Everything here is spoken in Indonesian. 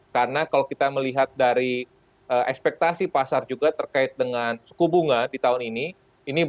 karena kalau kita melihat dari ekspektasi pasar juga terkait dengan suku bunga di tahun ini